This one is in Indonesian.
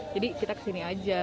jadi kita kesini aja